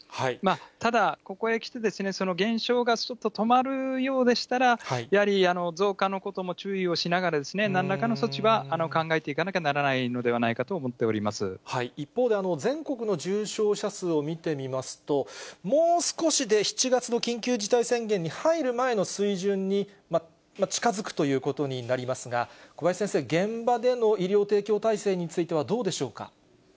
ただ、ここへ来て、その減少がちょっと止まるようでしたら、やはり増加のことも注意をしながら、なんらかの措置は考えていかなきゃならないのではないかと思って一方で、全国の重症者数を見てみますと、もう少しで７月の緊急事態宣言に入る前の水準に近づくということになりますが、小林先生、現場での医療提供体制についてはどうでしょうか。